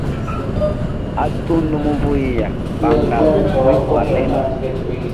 A tundu muvuyiya bangasu mwikwalena.